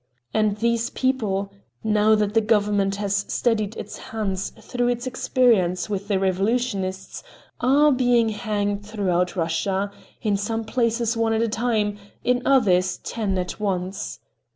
And these people, now that the Government has steadied its hands through its experience with the revolutionists, are being hanged throughout Russia—in some places one at a time, in others, ten at once.